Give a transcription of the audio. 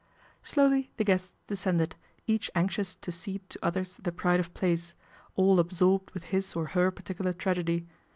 Slowly the guests descended, each anxious to ede to others the pride of place, all absorbed with us or her particular tragedy.